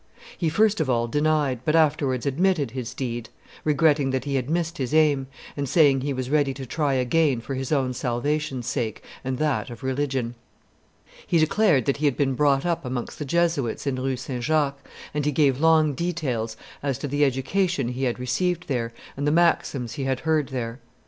He first of all denied, but afterwards admitted his deed, regretting that he had missed his aim, and saying he was ready to try again for his own salvation's sake and that of religion. He declared that he had been brought up amongst the Jesuits in Rue St. Jacques, and he gave long details as to the education he had received there and the maxims he had heard there.